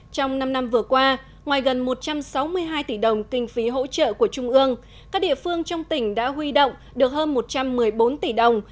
trong năm năm vừa qua ngoài gần một trăm sáu mươi hai tỷ đồng kinh phí hỗ trợ của trung ương các địa phương trong tỉnh đã huy động được hơn một trăm một mươi bốn tỷ đồng